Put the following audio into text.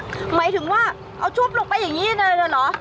หมายถึงว่าเอาชุบลงไปอย่างนี้เลยเหรอ